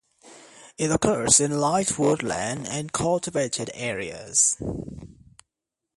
It occurs in light woodland and cultivated areas.